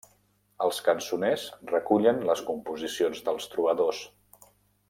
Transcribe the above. Els cançoners recullen les composicions dels trobadors.